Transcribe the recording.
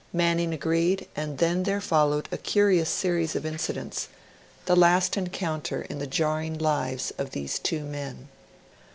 Manning agreed, and then there followed a curious series of incidents the last encounter in the jarring lives of those two men.